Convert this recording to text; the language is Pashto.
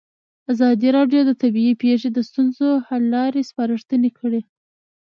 ازادي راډیو د طبیعي پېښې د ستونزو حل لارې سپارښتنې کړي.